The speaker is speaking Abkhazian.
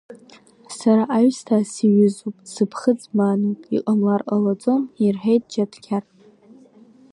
Сара аҩсҭаа сиҩызоуп, сыԥхыӡ мааноуп, иҟамлар ҟалаӡом, — иҳәеит Џьаҭқьар.